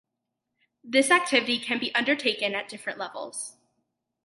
This activity can be undertaken at different levels.